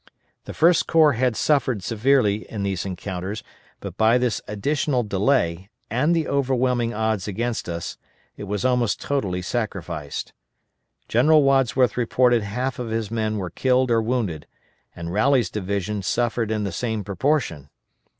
The First Corps had suffered severely in these encounters, but by this additional delay, and the overwhelming odds against us, it was almost totally sacrificed. General Wadsworth reported half of his men were killed or wounded, and Rowley's division suffered in the same proportion.